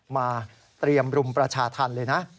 มาเตรียมรุมประชาธรรมเลยนะ